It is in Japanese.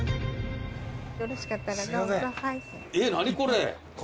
よろしかったらどうぞ。